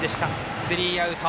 スリーアウト。